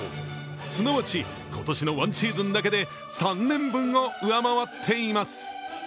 すなわち今年の１シーズンだけで３年分を上回っています。